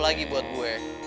lagi buat gue